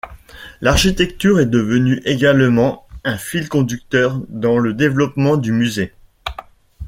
L'architecture est devenue également un fil conducteur dans le développement du musée.